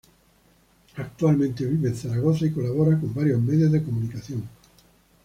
Actualmente vive en Zaragoza y colabora con varios medios de comunicación.